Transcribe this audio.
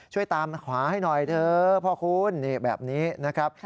ช่วยตามหาให้หน่อยเถอะพ่อคุณแบบนี้นะครับ